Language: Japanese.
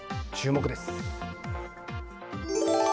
注目です。